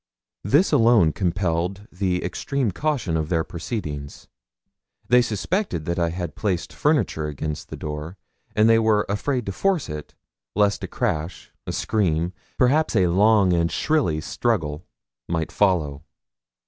This alone compelled the extreme caution of their proceedings. They suspected that I had placed furniture against the door, and were afraid to force it, lest a crash, a scream, perhaps a long and shrilly struggle, might follow.